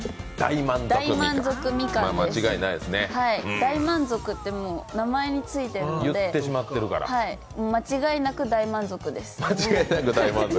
大満足ってもう名前についてるので間違いなく大満足です。